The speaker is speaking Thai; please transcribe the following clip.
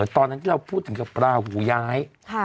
ตอนภูติกับราหุย้าย